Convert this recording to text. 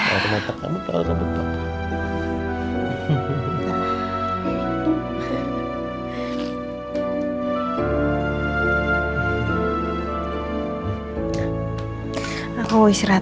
terus mata kamu kalau nampak papa